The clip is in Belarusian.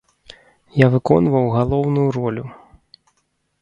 Я выконваў галоўную ролю.